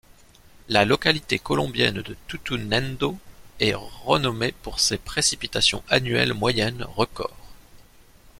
La localité colombienne de Tutunendo est renommée pour ses précipitations annuelles moyennes records.